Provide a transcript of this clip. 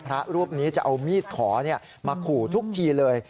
พระรูปนี้จะเอามีดขอมาขู่ทุกทีเลย